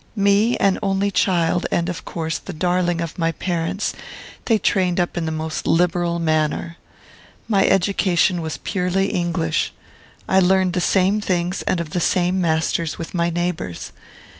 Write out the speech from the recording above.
"Me, an only child, and, of course, the darling of my parents, they trained up in the most liberal manner. My education was purely English. I learned the same things and of the same masters with my neighbours.